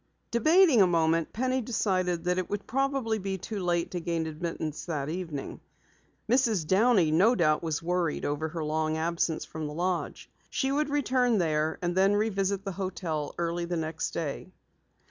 Debating a moment, Penny decided that it probably was too late to gain admittance that evening. Mrs. Downey no doubt was worried over her long absence from the lodge. She would return there, and then revisit the hotel early the next day.